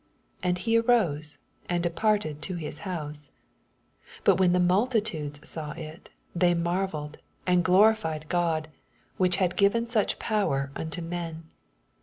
7 And he arose, and departed to his house. 8 But when the multitudes saw ity the^ marveUed, and glorified God, which had given such power onto men.